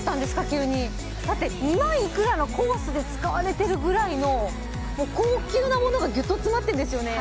急にだって２万いくらのコースで使われてるぐらいの高級なものがぎゅっと詰まってるんですよね